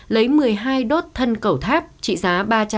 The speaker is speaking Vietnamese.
lấy một mươi hai đốt thân cầu tháp trị giá ba trăm linh